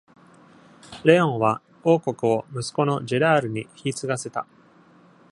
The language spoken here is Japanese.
レオンは王国を息子のジェラールに引き継がせた。